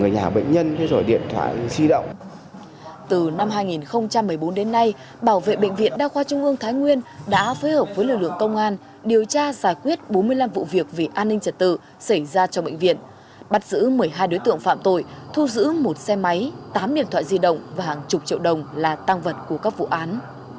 từ năm hai nghìn một mươi bốn đến nay bảo vệ bệnh viện đa khoa trung ương thái nguyên đã phối hợp với lực lượng công an điều tra giải quyết bốn mươi năm vụ việc vì an ninh trật tự xảy ra trong bệnh viện bắt giữ một xe máy tám điện thoại di động và hàng chục triệu đồng là tăng vật của các vụ án